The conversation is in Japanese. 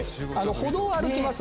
歩道を歩きます。